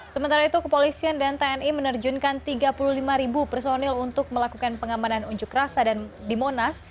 sementara itu kepolisian dan tni menerjunkan tiga puluh lima personil untuk melakukan pengamanan unjuk rasa di monas